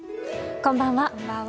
こんばんは。